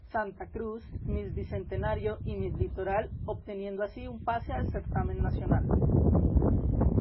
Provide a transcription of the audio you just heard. Santa Cruz, Miss Bicentenario y Miss Litoral obteniendo así un pase al certamen nacional.